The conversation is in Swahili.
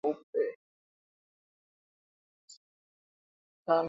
Tando za kamasi kuwa nyeupe